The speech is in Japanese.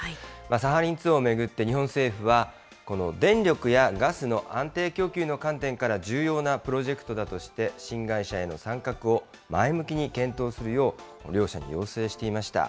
サハリン２を巡って日本政府は、この電力やガスの安定供給の観点から重要なプロジェクトだとして、新会社への参画を前向きに検討するよう両社に要請していました。